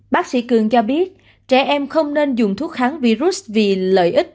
bác sĩ cường cho biết trẻ em không nên dùng thuốc kháng virus vì lợi ích